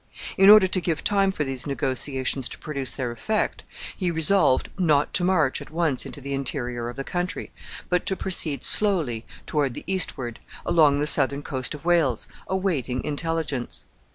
In order to give time for these negotiations to produce their effect, he resolved not to march at once into the interior of the country, but to proceed slowly toward the eastward, along the southern coast of Wales, awaiting intelligence.